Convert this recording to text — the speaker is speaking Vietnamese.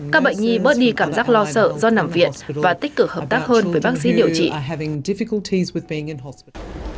các bệnh nhi bớt đi cảm giác lo sợ do nằm viện và tích cực hợp tác hơn với bác sĩ điều trị